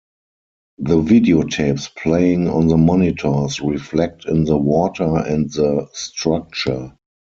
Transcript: The videotapes playing on the monitors reflect in the water and the structure.